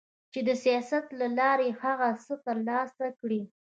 چي د سياست له لارې هغه څه ترلاسه کړي